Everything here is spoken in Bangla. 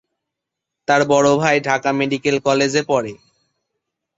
তার বড় ভাই ঢাকা মেডিকেল কলেজে পড়ে।